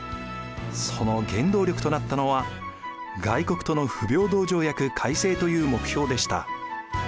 その原動力となったのは外国との不平等条約改正という目標でした。